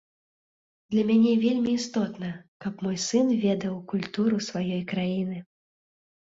Для мяне вельмі істотна, каб мой сын ведаў культуру сваёй краіны.